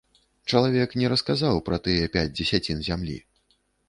Чалавек не расказаў пра тыя пяць дзесяцін зямлі.